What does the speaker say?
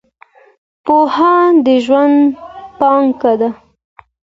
پوهنه د ژوند پانګه ده .